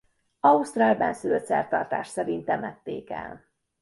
Ausztrál bennszülött szertartás szerint temették el.